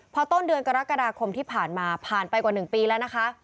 พอต้นเดือนกรกฎาคมที่ผ่านมาผ่านไปกว่า๑ปีแล้วนะคะ